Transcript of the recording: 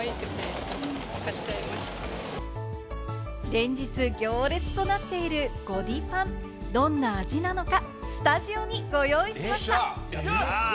連日、行列となっているゴディパン、どんな味なのか、スタジオにご用意しました。